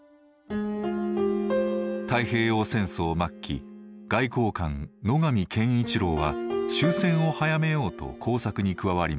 太平洋戦争末期外交官野上顕一郎は終戦を早めようと工作に加わります。